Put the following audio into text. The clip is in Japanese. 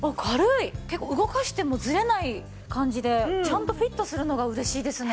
結構動かしてもずれない感じでちゃんとフィットするのが嬉しいですね。